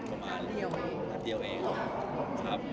ประมาณเดียวเองครับ